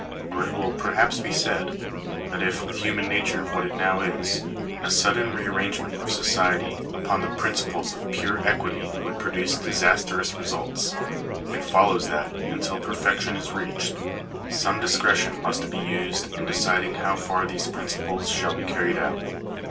Or it will perhaps be said, that if, with human nature what it now is, a sudden re arrangement of society upon the principles Digitized by VjOOQIC 464 conclusion. of pore equity would produce disastrous results, it follows that, until perfection is reached, some discretion must be used in de ciding how far these principles shall be carried out.